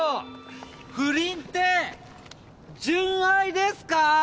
不倫って純愛ですか⁉